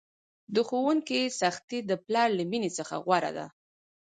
د ښوونکي سختي د پلار له میني څخه غوره ده!